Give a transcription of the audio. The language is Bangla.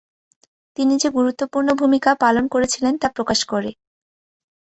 তিনি যে গুরুত্বপূর্ণ ভূমিকা পালন করেছিলেন তা প্রকাশ করে।